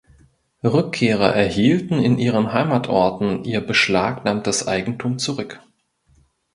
Rückkehrer erhielten in ihren Heimatorten ihr beschlagnahmtes Eigentum zurück.